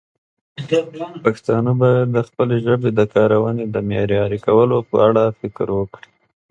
پښتانه باید د خپلې ژبې د کارونې د معیاري کولو په اړه فکر وکړي.